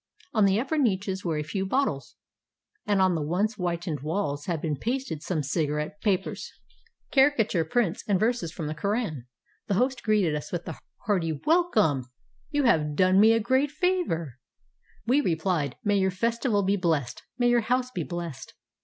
On the upper niches were a few bottles, and on the once whitened walls had been pasted some cigarette papers, caricature prints, and verses from the Koran. The host greeted us with a hearty "Welcome! You have done me 439 PERSIA a great favor." We replied, "May your festival be blessed, may ^' our house be blessed!